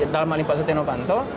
dalam hal yang pak setino pantul